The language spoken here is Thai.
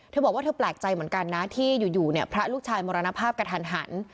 แม่แม่บอกว่าเธอแปลกใจเหมือนกันนะที่อยู่เน่ะพระลูกชายมรณภาพกำหัง